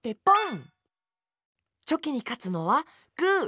チョキにかつのはグー！